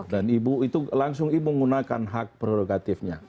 dan ibu itu langsung ibu menggunakan hak prerogatifnya